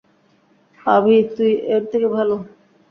পাভি, তুই এর থেকে ভালো।